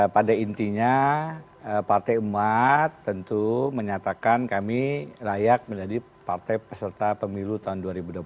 pada intinya partai umat tentu menyatakan kami layak menjadi partai peserta pemilu tahun dua ribu dua puluh empat